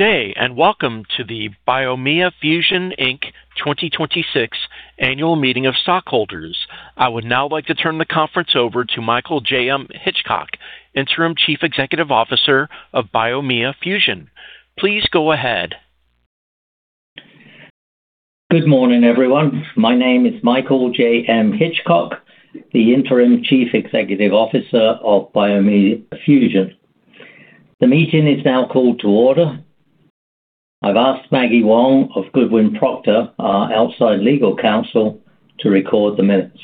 Good day. Welcome to the Biomea Fusion, Inc. 2026 annual meeting of stockholders. I would now like to turn the conference over to Michael J.M. Hitchcock, Interim Chief Executive Officer of Biomea Fusion. Please go ahead. Good morning, everyone. My name is Michael J.M. Hitchcock, the Interim Chief Executive Officer of Biomea Fusion. The meeting is now called to order. I've asked Maggie Wong of Goodwin Procter, our outside legal counsel, to record the minutes.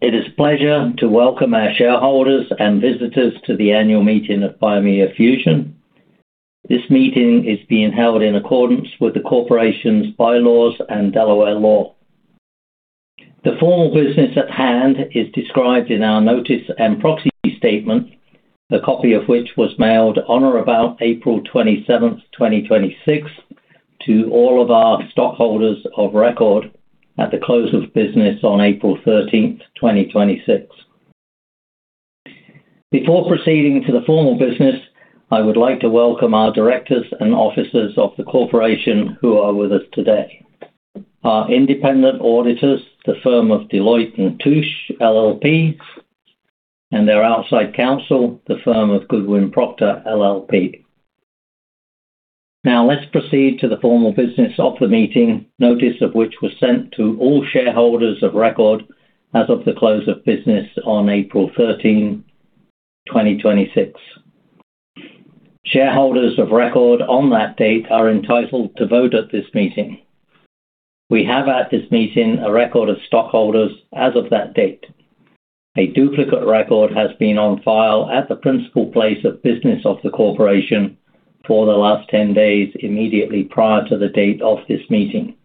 It is a pleasure to welcome our shareholders and visitors to the annual meeting of Biomea Fusion. This meeting is being held in accordance with the corporation's bylaws and Delaware law. The formal business at hand is described in our notice and proxy statement, a copy of which was mailed on or about April 27th, 2026, to all of our stockholders of record at the close of business on April 13th, 2026. Before proceeding to the formal business, I would like to welcome our directors and officers of the corporation who are with us today. Our independent auditors, the firm of Deloitte & Touche LLP, and their outside counsel, the firm of Goodwin Procter LLP. Let's proceed to the formal business of the meeting, notice of which was sent to all shareholders of record as of the close of business on April 13, 2026. Shareholders of record on that date are entitled to vote at this meeting. We have at this meeting a record of stockholders as of that date. A duplicate record has been on file at the principal place of business of the corporation for the last 10 days immediately prior to the date of this meeting,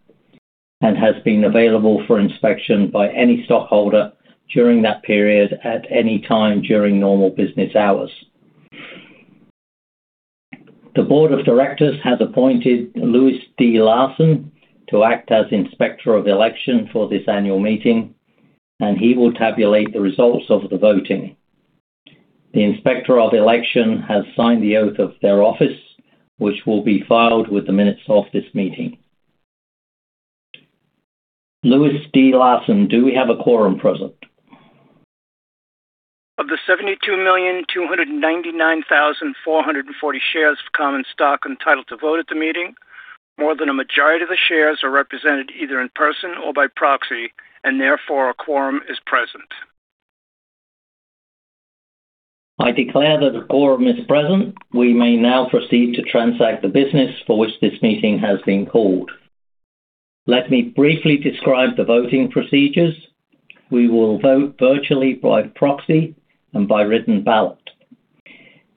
and has been available for inspection by any stockholder during that period at any time during normal business hours. The Board of Directors has appointed Louis D. Larson to act as Inspector of Election for this annual meeting, and he will tabulate the results of the voting. The Inspector of Election has signed the oath of their office, which will be filed with the minutes of this meeting. Louis D. Larson, do we have a quorum present? Of the 72,299,440 shares of common stock entitled to vote at the meeting, more than a majority of the shares are represented either in person or by proxy, and therefore a quorum is present. I declare that a quorum is present. We may now proceed to transact the business for which this meeting has been called. Let me briefly describe the voting procedures. We will vote virtually by proxy and by written ballot.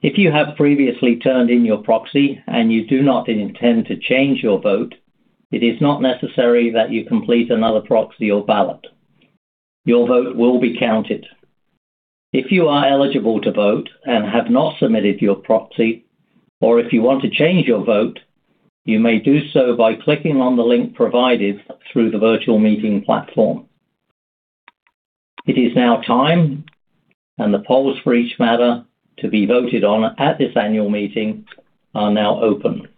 If you have previously turned in your proxy and you do not intend to change your vote, it is not necessary that you complete another proxy or ballot. Your vote will be counted. If you are eligible to vote and have not submitted your proxy, or if you want to change your vote, you may do so by clicking on the link provided through the virtual meeting platform. It is now time, and the polls for each matter to be voted on at this annual meeting are now open.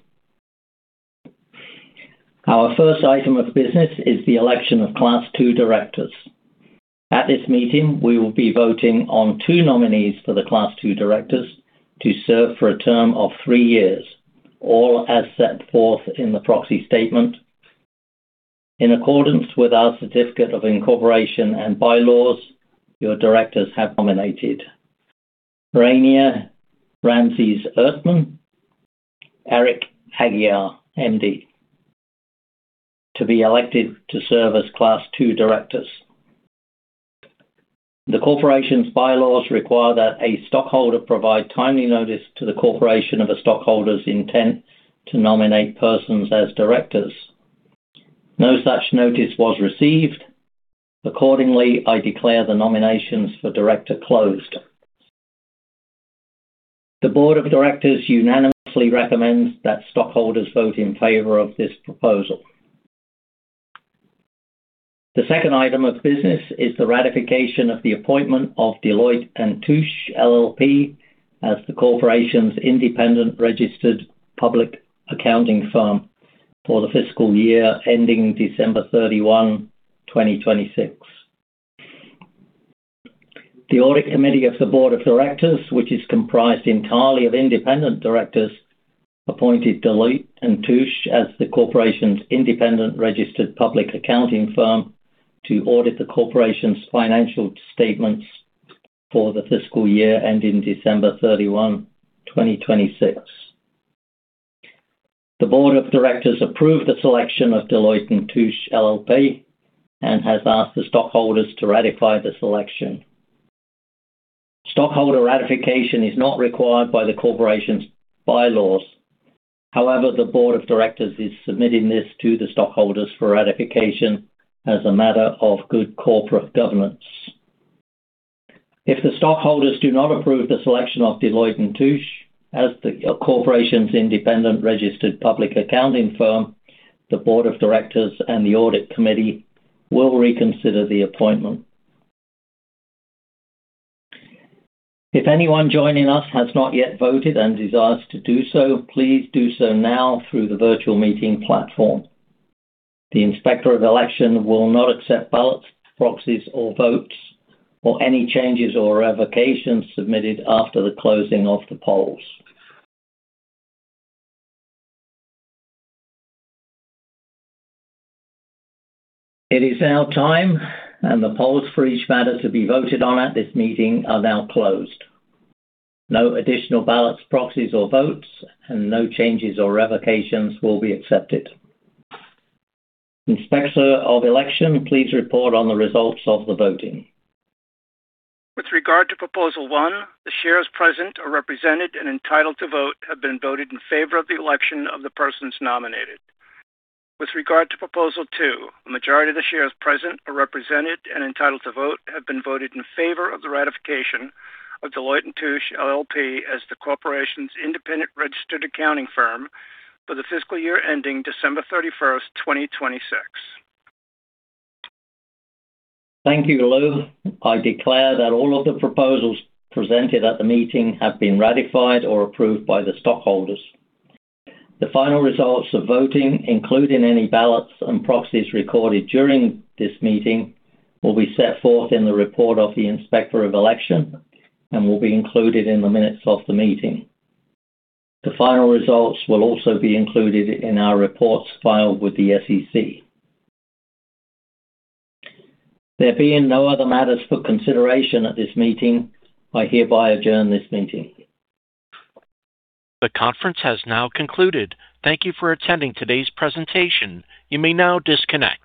Our first item of business is the election of Class II Directors. At this meeting, we will be voting on two nominees for the Class II Directors to serve for a term of three years or as set forth in the proxy statement. In accordance with our certificate of incorporation and bylaws, your directors have nominated Rainer M. Erdtmann, Eric Aguiar, MD, to be elected to serve as Class II Directors. The corporation's bylaws require that a stockholder provide timely notice to the corporation of a stockholder's intent to nominate persons as directors. No such notice was received. Accordingly, I declare the nominations for director closed. The Board of Directors unanimously recommends that stockholders vote in favor of this proposal. The second item of business is the ratification of the appointment of Deloitte & Touche LLP as the corporation's independent registered public accounting firm for the fiscal year ending December 31, 2026. The audit committee of the Board of Directors, which is comprised entirely of independent directors, appointed Deloitte & Touche as the corporation's independent registered public accounting firm to audit the corporation's financial statements for the fiscal year ending December 31, 2026. The Board of Directors approved the selection of Deloitte & Touche LLP and has asked the stockholders to ratify the selection. Stockholder ratification is not required by the corporation's bylaws. However, the Board of Directors is submitting this to the stockholders for ratification as a matter of good corporate governance. If the stockholders do not approve the selection of Deloitte & Touche as the corporation's independent registered public accounting firm, the Board of Directors and the audit committee will reconsider the appointment. If anyone joining us has not yet voted and desires to do so, please do so now through the virtual meeting platform. The Inspector of Election will not accept ballots, proxies, or votes, or any changes or revocations submitted after the closing of the polls. It is now time, the polls for each matter to be voted on at this meeting are now closed. No additional ballots, proxies, or votes, no changes or revocations will be accepted. Inspector of Election, please report on the results of the voting. With regard to proposal one, the shares present or represented and entitled to vote have been voted in favor of the election of the persons nominated. With regard to proposal two, a majority of the shares present or represented and entitled to vote have been voted in favor of the ratification of Deloitte & Touche LLP as the corporation's independent registered accounting firm for the fiscal year ending December 31st, 2026. Thank you, Louis. I declare that all of the proposals presented at the meeting have been ratified or approved by the stockholders. The final results of voting, including any ballots and proxies recorded during this meeting, will be set forth in the report of the Inspector of Election and will be included in the minutes of the meeting. The final results will also be included in our reports filed with the SEC. There being no other matters for consideration at this meeting, I hereby adjourn this meeting. The conference has now concluded. Thank you for attending today's presentation. You may now disconnect.